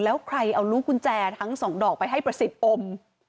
แล้วใครเอาลูกกุญแจทั้งสองดอกไปให้ประสิทธิ์อม